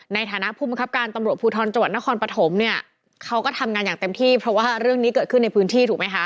ในฐานะผู้บังคับการตำรวจภูทรจังหวัดนครปฐมเนี่ยเขาก็ทำงานอย่างเต็มที่เพราะว่าเรื่องนี้เกิดขึ้นในพื้นที่ถูกไหมคะ